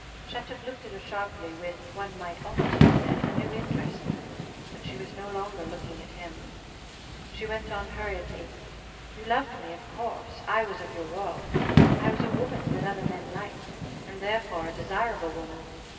Shattuck looked at her sharply, with, one might almost have said, a new interest, but she was no longer looking at him. She went on, hurriedly: "You loved me, of course. I was of your world. I was a woman that other men liked, and therefore a desirable woman.